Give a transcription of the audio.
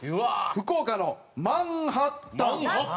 福岡のマンハッタン。